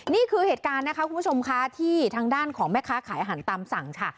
นี่คือเหตุการณ์นะคะคุณผู้ชมค่ะที่ทางด้านของแม่ค้าขายอาหารตามสั่งค่ะ